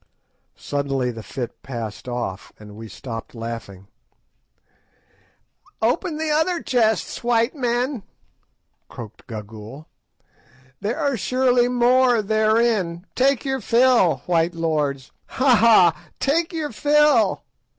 Suddenly the fit passed off, and we stopped laughing. "Open the other chests, white men," croaked Gagool, "there are surely more therein. Take your fill, white lords! Ha! ha! take your fill."